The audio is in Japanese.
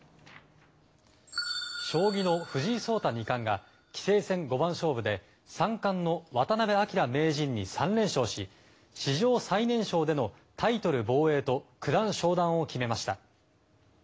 将棋の藤井聡太二冠が棋聖戦五番勝負で三冠の渡辺明名人に３連勝し史上最年少でのタイトル防衛と九段昇段を決めました。